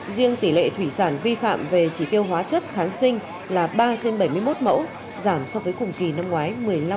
riêng tỷ lệ thủy sản vi phạm về chỉ tiêu hóa chất kháng sinh là ba trên bảy mươi một mẫu giảm so với cùng kỳ năm ngoái một mươi năm